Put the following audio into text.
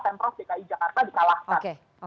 tentang dki jakarta dikalahkan